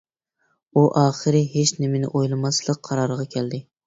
ئۇ ئاخىر ھېچنېمىنى ئويلىماسلىق قارارىغا كەلدى.